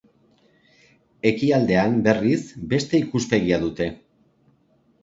Ekialdean, berriz, beste ikuspegia dute.